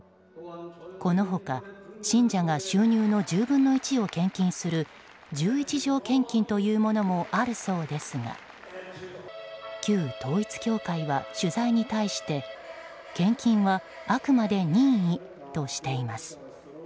この他、信者が収入の１０分の１を献金する十一条献金というものもあるそうですが旧統一教会は取材に対して献金はあくまで任意としています。